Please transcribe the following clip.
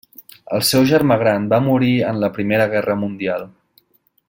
El seu germà gran va morir en la Primera Guerra Mundial.